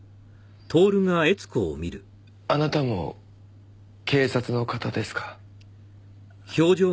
あなたも警察の方ですか？